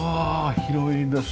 広いです。